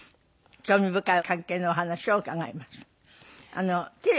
興味深い関係のお話を伺います。